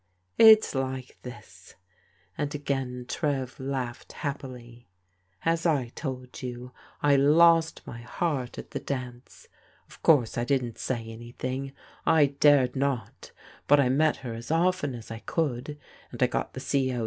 " It's like this," and again Trev laughed happily. " As I told you, I lost my heart at the dance. Of course, I dida't say anything, I dared not, but I met her as often as I could, and I got the C O.